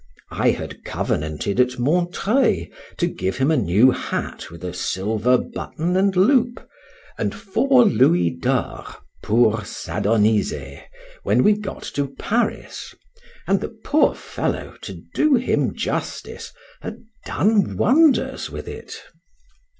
I had covenanted at Montreuil to give him a new hat with a silver button and loop, and four louis d'ors, pour s'adoniser, when we got to Paris; and the poor fellow, to do him justice, had done wonders with it.